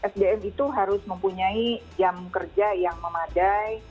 sdm itu harus mempunyai jam kerja yang memadai